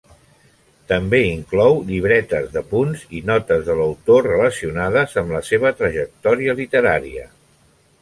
També inclou llibretes d'apunts i notes de l'autor relacionades amb la seva trajectòria literària.